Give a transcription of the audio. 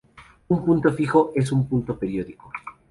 Un punto fijo es un punto periódico.